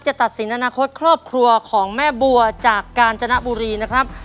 ตัดสินอนาคตครอบครัวของแม่บัวจากกาญจนบุรีนะครับ